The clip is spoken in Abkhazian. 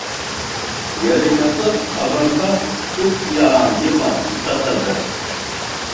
Иара инапы абамба ыҵиаан иҟан итатаӡа.